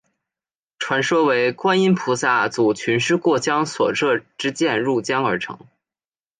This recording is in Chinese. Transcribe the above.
传说为观音菩萨阻群狮过江所射之箭入江而成。